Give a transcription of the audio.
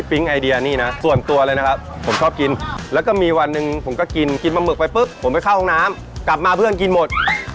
ไอเดียนี่นะส่วนตัวเลยนะครับผมชอบกินแล้วก็มีวันหนึ่งผมก็กินกินปลาหมึกไปปุ๊บผมไปเข้าห้องน้ำกลับมาเพื่อนกินหมด